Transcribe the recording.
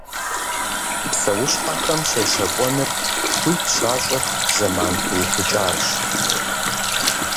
Псэущхьэхэм щещэкӀуэныр хуит щащӀыр зэман пыухыкӀарщ.